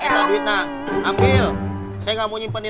saya mau simpenin seep